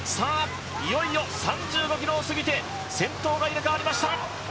いよいよ３５ｋｍを過ぎて先頭が入れ代わりました。